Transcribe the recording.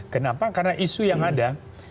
kenapa karena isu yang ada